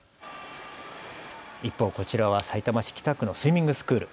一方、こちらはさいたま市北区のスイミングスクール。